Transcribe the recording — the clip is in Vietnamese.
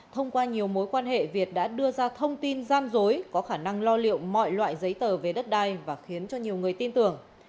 thông qua nhiều mối quan hệ việt đã đưa ra thông tin gian dối có khả năng lo liệu mọi loại giấy tờ về đất đai và khiến cho nhiều người tin tưởng